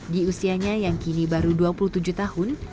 di usianya yang kini baru dua puluh tujuh tahun